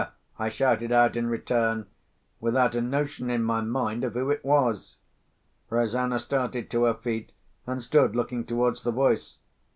I shouted out in return, without a notion in my mind of who it was. Rosanna started to her feet, and stood looking towards the voice.